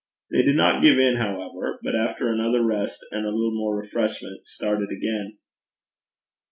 They did not give in, however, but after another rest and a little more refreshment, started again.